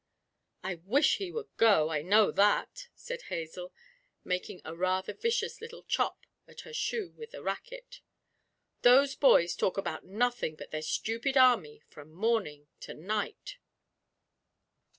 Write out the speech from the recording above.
'I wish he would go, I know that,' said Hazel, making a rather vicious little chop at her shoe with her racket; 'those boys talk about nothing but their stupid army from morning to night.